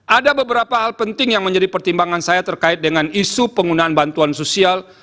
ada beberapa hal penting yang menjadi pertimbangan saya terkait dengan isu penggunaan bantuan sosial